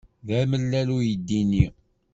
D amellal uydi-nni.